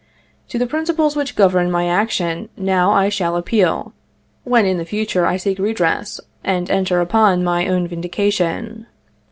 To the principles which govern my action now I shall appeal, when in the future I seek redress and enter upon my own vindication.